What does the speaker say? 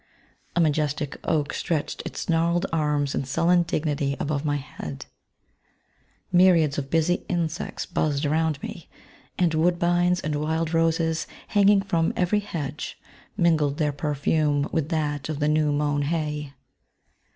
A majestic oak stretched its gnarl ed arms in sullen dignity above my head; myriads of busy insects buzzed around me ; and woodbines and wild roses, hanging from every hedge, mingled their perfume with that of the new mown hay.